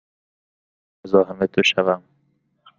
نمی خواهم مزاحم تو شوم.